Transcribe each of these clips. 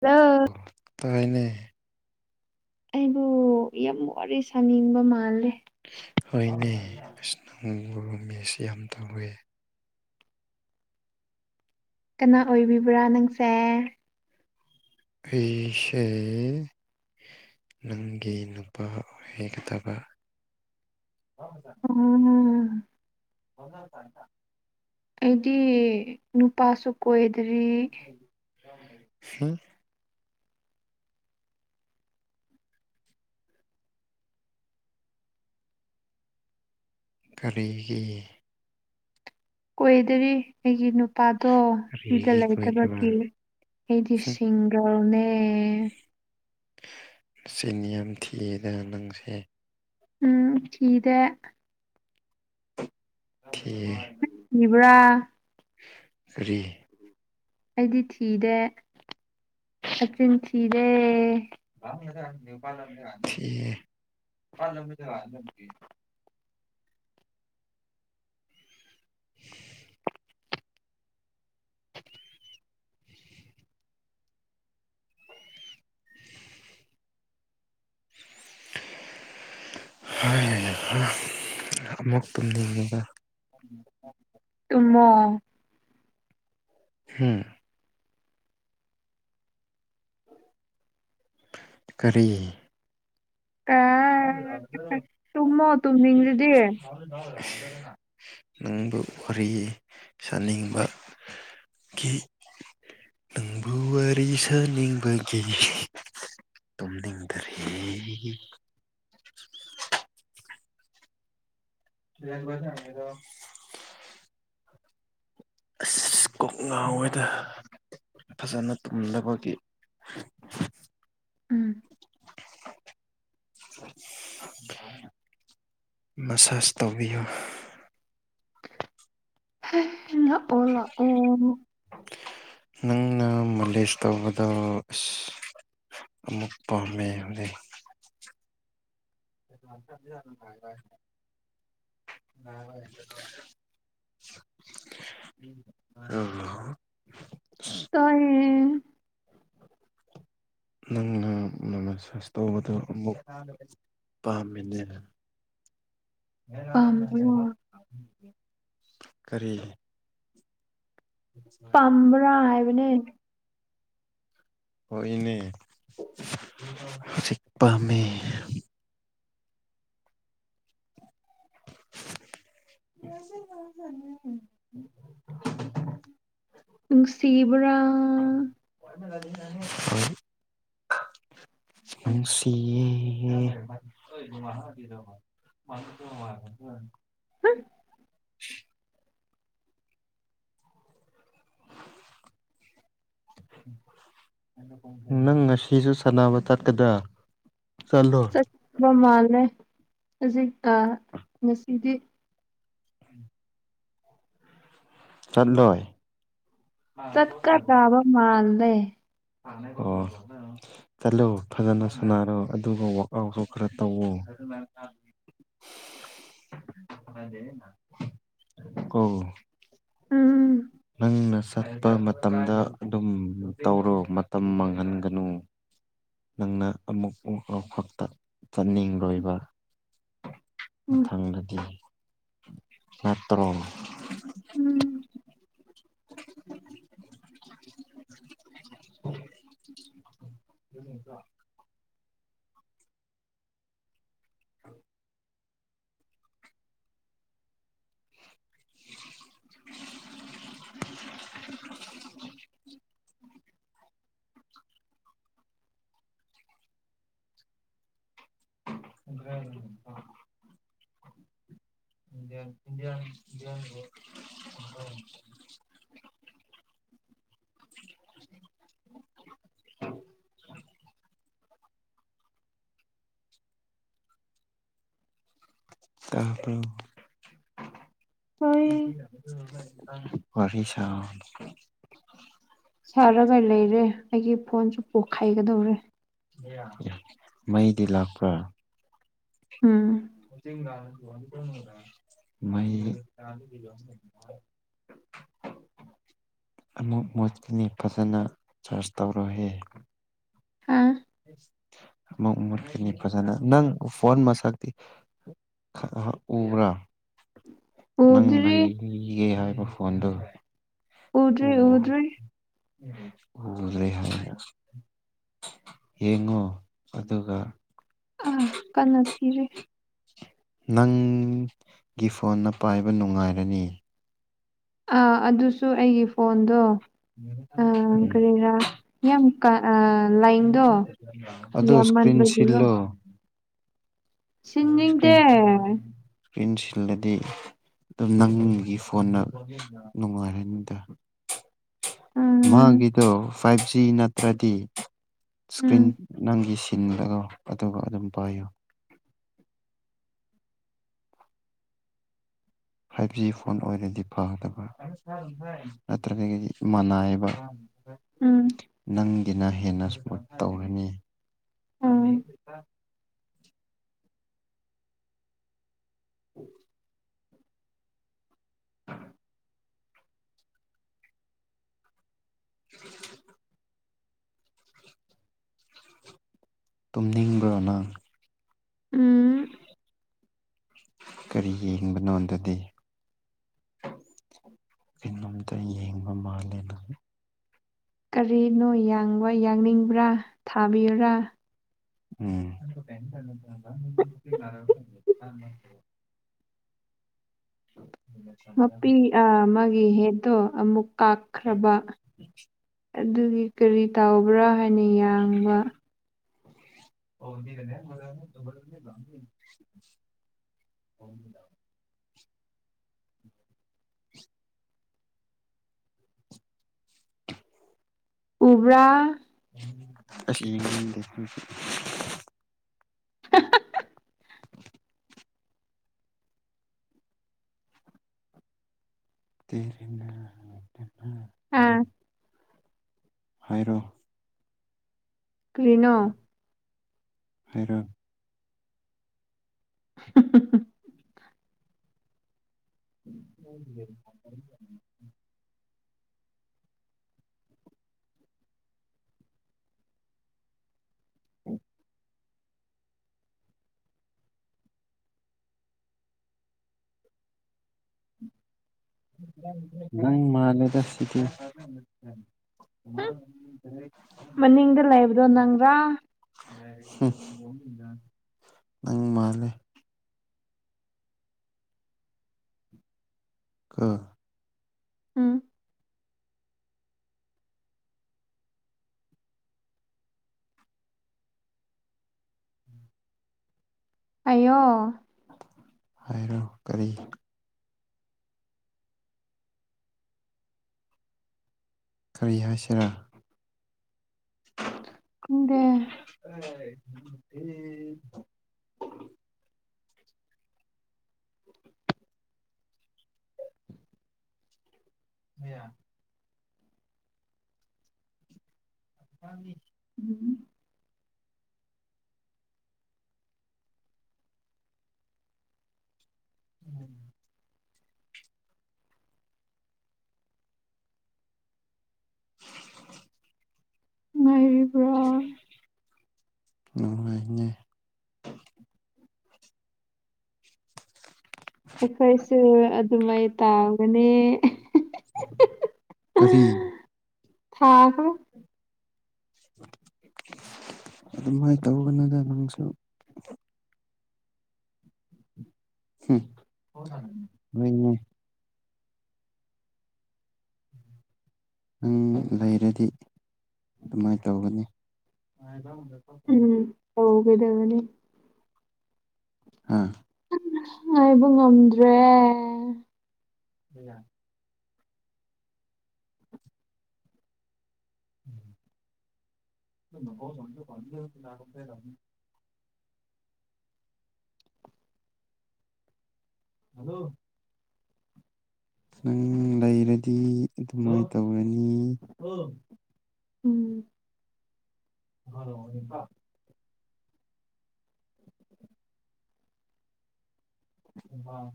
Hello. ꯇꯥꯏꯅꯦ꯫ ꯑꯩꯕꯨ ꯌꯥꯝ ꯋꯥꯔꯤ ꯁꯥꯅꯤꯡꯕ ꯃꯥꯜꯂꯦ꯫ ꯍꯣꯏꯅꯦ ꯏꯁꯅꯒꯨꯔꯨ ꯃꯦꯁꯤ ꯌꯥꯝ ꯇꯧꯋꯦ꯫ ꯀꯅꯥ ꯑꯣꯏꯕꯤꯕ꯭ꯔꯥ ꯅꯪꯁꯦ꯫ ꯑꯩꯁ꯫ ꯅꯪꯒꯤ ꯅꯨꯄꯥ ꯑꯣꯏꯒꯗꯕ꯫ ꯎꯝ꯫ ꯍꯗ ꯇꯇ [unintelligible] ꯑꯩꯗꯤ ꯅꯨꯄꯥꯁꯨ ꯀꯣꯏꯗ꯭ꯔꯤ꯫ ꯍꯝ꯫ ꯀꯔꯤꯒꯤ꯫ ꯀꯣꯏꯗꯔꯤ ꯑꯩꯒꯤ ꯅꯨꯄꯥꯗꯣ ꯁꯤꯗ ꯀꯔꯤꯒꯤ ꯀꯣꯏꯗꯕ ꯂꯩꯇꯕꯒꯤ ꯑꯩꯗꯤ ꯁꯤꯡ꯫ ꯇꯧꯅꯨꯅꯦ꯫ ꯅꯆꯤꯟ ꯌꯥꯝ ꯊꯤꯌꯦꯗꯅ ꯅꯪꯁꯦ꯫ ꯎꯝ ꯊꯤꯗꯦ꯫ ꯊꯤ꯫ ꯏꯕ꯭ꯔꯥ꯫ ꯀꯔꯤ꯫ ꯑꯩꯗꯤ ꯊꯤꯗꯦ ꯃꯆꯤꯟ ꯊꯤꯔꯦ꯫ [unintelligible] ꯊꯤꯍꯦ꯫ [unintelligible] [unintelligible] [unintelligible] ꯍꯥꯏ ꯌꯥ ꯑꯃꯨꯛ ꯇꯨꯝꯅꯤꯡꯉꯦꯗ꯫ ꯎꯝ꯫ ꯇꯨꯝꯃꫭ ꯍꯨꯝ ꯀꯔꯤ ꯇꯨꯝꯃꯣ ꯇꯨꯝꯅꯤꯡ ꯑꯗꯤ ꯅꯪꯕꯨ ꯋꯥꯔꯤ ꯁꯥꯅꯤꯡꯕ ꯒꯤ ꯅꯪꯕꯨ ꯋꯥꯔꯤ ꯁꯥꯅꯤꯡꯕꯒꯤ ꯇꯨꯝꯅꯤꯡꯗꯔ ꯍꯦ [inaudible] UNINTELLIGIBLE ꯑꯁ ꯀꯣꯛꯅꯥꯥꯎꯣꯏꯗ ꯐꯖꯅ ꯇꯨꯝꯗꯕꯒꯤ꯫ ꯎꯝ꯫ [inaudible] ꯃꯁꯥꯁ ꯇꯧꯕꯤꯌꯨ꯫ ꯂꯥꯛꯎ ꯂꯥꯛꯎ ꯑꯃꯨꯛ꯫ ꯅꯪꯅ ꯃꯥꯂꯦꯁ ꯇꯧꯕꯗꯣ ꯏꯁ꯫ ꯑꯃꯨꯛ ꯄꯥꯝꯃꯦ ꯍꯧꯖꯤꯛ꯫ [inaudible] ꯑꯥ꯫ ꯇꯥꯏꯌꯦ [unintelligible] ꯅꯪꯅ ꯃꯦꯁꯥꯁ ꯇꯧꯕꯗꯨ ꯑꯃꯨꯛ ꯄꯥꯝꯃꯤꯅꯦ UNINTELLIGIBLE ꯄꯥꯝꯕ꯭ꯔꯥ ꯀꯔꯤ UNINTELLIGIBLE ꯄꯝ꯭ꯕꯔꯥ ꯍꯥꯏꯕꯅꯦ ꯍꯣꯏ ꯏꯅꯦ ꯍꯧꯖꯤꯛ ꯄꯥꯝꯃꯤ UNINTELLIGIBLE ꯅꯨꯡꯁꯤꯕ꯭ꯔꯥ UNINTELLIGIBLE ꯍꫭꯏ ꯅꯨꯡꯁꯤꯌꯦ UNINTELLIGIBLE UNINTELLIGIBLE UNINTELLIGIBLE [inaudible] [inaudible] ꯅꯪ ꯉꯁꯤꯁꯨ ꯁꯥꯟꯅꯕ ꯆꯠꯀꯗ꯭ꯔ ꯆꯠꯄ ꯃꯥꯜꯂꯦ ꯍꯧꯖꯤꯛ ꯉꯁꯤꯗꯤ ꯆꯠꯂꯣꯏ ꯆꯠꯀꯗꯥꯕ ꯃꯥꯥꯟꯗꯦ ꯑꯣ ꯆꯠꯂꯨ ꯐꯖꯅ ꯁꯅꯔꯣ ꯑꯗꯨꯒ ꯋꯥꯛ ꯑꯥꯎꯠꯁꯨ ꯈꯔ ꯇꯧꯋ UNINTELLIGIBLE ꯀꯣ ꯎꯝ ꯅꯪꯅ ꯆꯠꯄ ꯃꯇꯝꯗ ꯑꯗꯨꯝ ꯇꯧꯔꯣ ꯃꯇꯝ ꯃꯥꯡꯍꯟꯒꯅꯨ ꯅꯪꯅ ꯑꯃꯨꯛ ꯑꯃꯈꯛꯇ ꯆꯠꯅꯤꯡꯂꯣꯏꯕ ꯎꯝ ꯃꯊꯪꯗꯗꯤ ꯅꯠꯇꯔꯣ ꯎꯝ [inaudible] [inaudible] INAUDIBLE INAUDIBLE India India India [unintelligible] ꯇꯥ꯭ꯕꯔꯣ ꯍꯣꯏ ꯋꯥꯔꯤꯁꯥꯎ ꯁꯥꯔꯒ ꯂꯩꯔꯦ ꯑꯩꯒꯤ ꯐꯣꯟꯁ‌ꯦ ꯄꯣꯛꯈꯥꯏꯒꯗꯧꯔꯦ ꯃꯩꯗꯤ ꯂꯥꯛꯄ ꯎꯝ [unintelligible] [unintelligible] ꯑꯃꯨꯛ ꯃꯣꯠꯀꯅꯤ ꯐꯖꯅ ꯆꯥꯔꯁ ꯇꯧꯔꫭꯍꯦ ꯍꯥꯥ [unintelligible] ꯑꯁ [unintelligible] ꯑꯃꯨꯛ ꯃꯨꯠꯀꯅꯤ ꯐꯖꯅ ꯅꯪ ꯐꯣꯟ ꯃꯁꯛꯇꯤ UNINTELLIGIBLE ꯎꯕ꯭ꯔꯥ ꯅꯪ ꯎꯗ꯭ꯔꯤ ꯂꯩꯒꯦ ꯍꯥꯏꯕ ꯐꯣꯟꯗꫭ ꯎ ꯎꯗ꯭ꯔꯤ ꯎꯗ꯭ꯔꯤ ꯎꯔꯦ ꯍꯥꯏꯔ ꯌꯦꯡꯉꯨ ꯑꯗꯨꯒ ꯑꯥ ꯀꯥꯟꯅ ꯄꯤꯔꯦ ꯅꯪꯒꯤ ꯐꯣꯟꯅ ꯄꯥꯏꯕ ꯅꯨꯡꯉꯥꯏꯔꯅꯤ ꯑꯥ ꯑꯗꯨꯁꯨ ꯑꯩꯒꯤ ꯐꯣꯟꯗꯣ ꯑ [inaudible] ꯀꯔꯤꯔꯥ ꯌꯥꯝ ꯀꯥ ꯑꯥ ꯂꯥꯏꯟꯗꯣ ꯑꯗꯣ ꯏꯁꯀ꯭ꯔꯤꯟ ꯌꯥꯝꯃꯟꯕꯒꯤꯔꯣ ꯁꯤꯜꯂꯣ ꯁꯤꯡꯅꯤꯡꯗꯦ ꯏꯟ ꯁꯤꯜꯂꯗꯤ ꯑꯗꯨꯝ ꯅꯪꯒꯤ ꯐꯣꯟꯅ ꯅꯨꯡꯉꯥꯏꯔꯅꯤꯗ ꯎꯝ ꯃꯥꯒꯤꯗꯣ ꯐꯥꯏꯚ ꯖꯤ ꯅꯠꯇ꯭ꯔꯗꯤ ꯏꯁꯀ꯭ꯔꯤꯟ ꯎꯝ ꯅꯪꯒꯤꯁꯤ ꯁꯤꯟꯒꯅꫭ ꯑꯗꯨꯒ ꯑꯗꯨꯝ ꯄꯥꯏꯌꯣ ꯐꯥꯏꯚ ꯖꯤ ꯐꯣꯟ ꯑꯣꯏꯔꯗꯤ ꯐꯗꯕ ꯅꯠꯇ꯭ꯔꯒꯗꯤ ꯃꯅꯥꯏꯕ ꯎꯝ ꯅꯪꯒꯤꯅ ꯍꯦꯟꯅ ꯁꯄꯣꯔꯠ ꯇꯧꯔꯅꯤ ꯎꯝ ꯎꯝ ꯎ [unintelligible] [unintelligible] ꯇꯨꯝꯅꯤꯡꯕ꯭ꯔꯣꯅꯪ ꯎꯝ ꯀꯔꯤ ꯌꯦꯡꯕꯅꯣ ꯑꯗꯨꯗꯤ ꯀꯩꯅꯣꯝꯇ ꯌꯦꯡꯕ ꯃꯥꯜꯂꯦꯗ ꯀꯔꯤꯅꯣ ꯌꯥꯡꯕ ꯌꯥꯡꯅꯤꯡꯕ꯭ꯔꯥ ꯊꯥꯕꯤꯌꯨꯔꯥ [unintelligible] ꯃꯄꯤ ꯃꯥꯒꯤ ꯍꯦꯠꯇꯣ ꯑꯃꯨꯛ ꯀꯥꯈ꯭ꯔꯕ ꯑꯗꯨꯒꯤ ꯀꯔꯤ ꯇꯥꯎꯕ꯭ꯔꯥ ꯍꯥꯏꯅ ꯌꯥꯡꯕ [unintelligible] ꯍ [unintelligible] ꯎꯕ꯭ꯔꯥ ꯁꯤ [unintelligible] [unintelligible] ꯇꯔꯤ ꯍꯅ [unintelligible] ꯑꯥ ꯍꯥꯏꯔꯣ ꯀꯔꯤꯅꯣ ꯍꯥꯏꯔꯣ ꯎ [unintelligible] [unintelligible] ꯎꯝ [unintelligible] ꯅꯪ ꯃꯥꯜꯂꯦꯗ ꯁꯤꯗꯤ ꯃꯥ ꯃꯅꯤꯡꯗ ꯂꯩꯕꯗꯣ ꯅꯪꯔꯥ [unintelligible] ꯅꯪ ꯃꯥꯜꯂꯦ ꯀ ꯎꯝ ꯑꯩꯌꯣ ꯍꯥꯏꯔꯣ ꯀꯔꯤ ꯀꯔꯤ ꯍꯥꯏꯁꯤꯔꯥ ꯈꯪꯗꯦ ꯍꯥꯏ ꯍꯦ ꯍꯣ [inaudible] ꯌꯥ [unintelligible] ꯑꯕꯤ [unintelligible] ꯎꯝ [unintelligible] ꯎꯝ [unintelligible] [inaudible] ꯅꯨꯉꯥꯏꯔꯤꯕ꯭ꯔꫭ ꯅꯨꯡꯉꯥꯏꯅꯦ [unintelligible] ꯑꯩꯈꯣꯏꯁꯨ ꯑꯗꯨꯃꯥꯏ ꯇꯥꯡꯕꯅꯦ ꯀꯔꯤ ꯊꯥꯈ ꯑꯗꯨꯃꯥꯏ ꯇꯧꯒꯅꯨꯗ ꯅꯪꯁꯨ ꯍꯨꯝ ꯍꯣꯏꯅꯦ ꯅꯪ ꯂꯩꯔꯗꯤ ꯑꯗꯨꯃꯥꯏ ꯇꯧꯒꯅꯤ ꯎꯝ ꯍꯧꯒꯗꯕꯅꯦ ꯍꯥꯥ ꯉꯥꯏꯕ ꯉꯝꯗ꯭ꯔꯦ ꯏꯌꯥ [unintelligible] [unintelligible] [inaudible] ꯍꯥꯜꯂꯣ ꯅꯪ ꯂꯩꯔꯗꯤ ꯑꯗꯨꯃꯥꯏ ꯇꯧꯔꯅꯤ ꯎꯝ ꯍꯥꯜꯂꯣ ꯗꯤꯝꯀꯥ ꯏꯝꯐꯥꯜ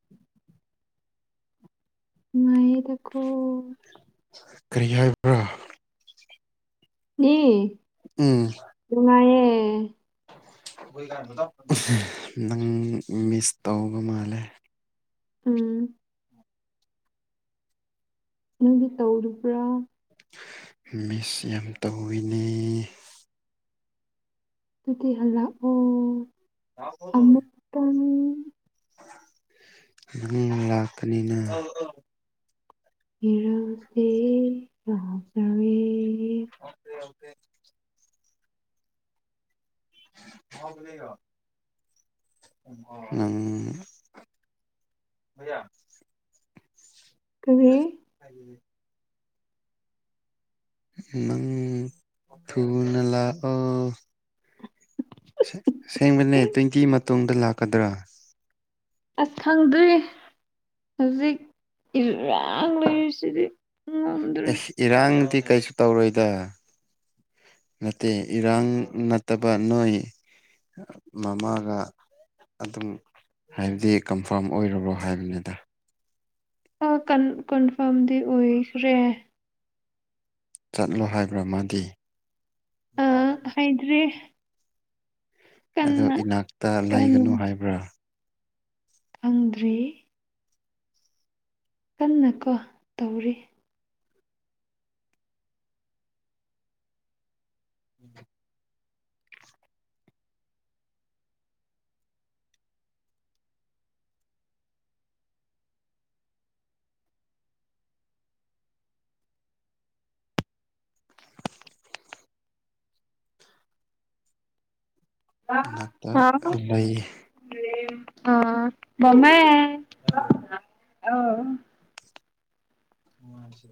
[unintelligible] [inaudible] ꯅꯨꯡꯉꯥꯏꯌꯦꯗꯀꯣ ꯀꯔꯤꯍꯥꯏ ꯅꯤ ꯎꯝ ꯅꯨꯡꯉꯥꯏꯌꯦ ꯅꯪ ꯃꯤꯁ ꯇꯧꯕ ꯃꯥꯜꯂꯦ ꯎꯝ ꯅꯪꯗꯤ ꯇꯧꯔꯤꯕ꯭ꯔꯥ ꯃꯤꯁ ꯌꯥꯝ ꯇꯧꯋꯤꯅꯦ ꯑꯗꯨꯗꯤ ꯍꯜꯂꯛꯑꯣ ꯌꯥꯣ [unintelligible] ꯇꯥꯅꯤꯡ ꯅꯪ ꯂꯥꯛꯀꯅꯤꯅ ꯏꯔꯥꯜꯁꯦ ꯌꯥꯖꯔꯦ ꯑꯁꯦ ꯍꯧꯁꯦ [unintelligible] ꯎꯝ ꯀꯔꯤ [unintelligible] ꯅꯪ ꯊꯨꯅ ꯂꯥꯛꯑꯣ ꯑꯁꯦꯡꯕꯅꯦ ꯇ꯭ꯋꯦꯟꯇꯤ ꯃꯇꯨꯡꯗ ꯂꯥꯛꯀꯗ꯭ꯔꯥ ꯑꯁ ꯈꯪꯗ꯭ꯔꯧ ꯍꯧꯖꯤꯛ ꯏꯔꯥꯡ ꯂꯩꯔꯤꯁꯤꯗꯤ ꯉꯝꯗ꯭ꯔꯦ ꯑꯁ ꯏꯔꯥꯡꯗꯤ ꯀꯩꯁꯨ ꯇꯧꯔꯣꯏꯗ ꯅꯠꯇꯦ ꯏꯔꯥꯡ ꯅꯠꯇꯕ ꯅꯣꯏ ꯃꯃꯥꯒ ꯑꯗꯨꯝ ꯍꯥꯏꯕꯗꯤ ꯀꯟꯐꯥꯝ ꯑꯣꯏꯔꯕ꯭ꯔꯣ ꯍꯥꯏꯕꯅꯤꯗ ꯑꯣ ꯀꯟ ꯀꯟꯐꯥꯝꯗꯤ ꯑꯣꯏꯈ꯭ꯔꯦ ꯆꯠꯂꯣ ꯍꯥꯏꯕ꯭ꯔꯥ ꯃꯥꯗꯤ ꯇ꯭ꯔꯤ ꯑꯗꯣ ꯏꯅꯥꯛꯇ ꯀꯟꯅ ꯂꯩꯒꯅꯨ ꯍꯥꯏꯕ꯭ꯔꯥ ꯈꯪꯗ꯭ꯔꯤ ꯀꯟꯅ ꯀꯣ ꯇꯧꯔꯤ ꯎꯝ [unintelligible] ꯅꯥꯛꯇ ꯑ ꯑꯗꯨꯝ ꯂꯩ ꯑ ꯃꯃ [unintelligible] ꯑ [unintelligible] ꯑ [unintelligible] ꯎꯁ [unintelligible]